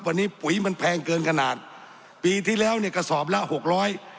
วันนี้ปุ๋ยมันแพงเกินขนาดปีที่แล้วเนี่ยกระสอบละหกร้อย